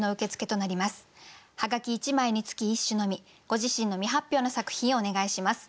ご自身の未発表の作品をお願いします。